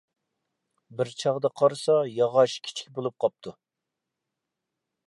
بىر چاغدا قارىسا، ياغاچ كىچىك بولۇپ قاپتۇ.